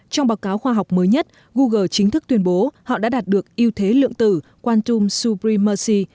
trong báo cáo khoa học mới nhất google chính thức tuyên bố họ đã đạt được yêu thế lượng tử quantum subrimersy